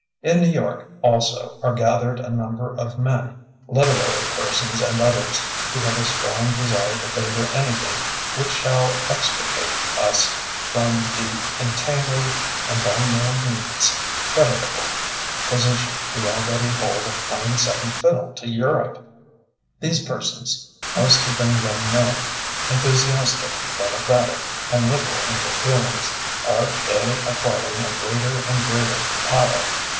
In New York, also, are gathered a number of men, literary persons and others, who haye a strong desire to fsTor anything which shall extricate us from the entangled and by no means credit able position we already hold of playing secon^ fiddle to Europe. These persons — most of them young men, enthusiastic, democratic and liberal in their feelings, are daily acquiring a greater and greater power.